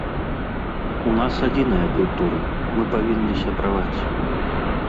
У нас адзіная культура, мы павінны сябраваць.